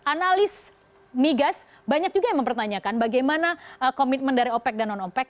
analis migas banyak juga yang mempertanyakan bagaimana komitmen dari opec dan non opec